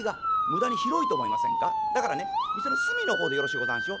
だからね店の隅の方でよろしゅうござんしょ。